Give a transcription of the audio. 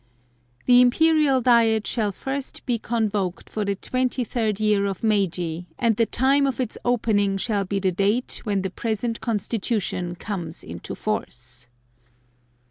The Imperial Diet shall first be convoked for the 23rd year of Meiji and the time of its opening shall be the date, when the present Constitution comes into force.